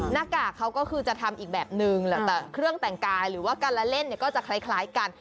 หน้ากากเขาก็คือจะทำอีกแบบนึงแต่เครื่องแต่งกายหรือว่าการละเล่นเนี่ยก็จะคล้ายกัน